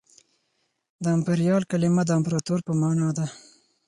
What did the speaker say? د امپریال کلمه د امپراطور په مانا ده